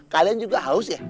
kalian juga haus ya